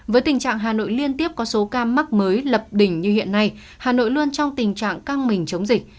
với tình trạng hà nội liên tiếp có số ca mắc mới lập đỉnh như hiện nay hà nội luôn trong tình trạng căng mình chống dịch